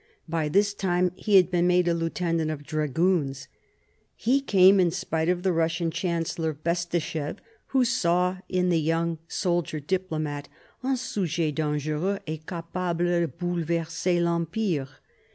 By this time he had been made a lieutenant of dragoons. He came in spite of the Russian Chancellor Bestuchéf, who saw in the young soldier diplomat "un subject dangereux et capable de boulverser l'empire."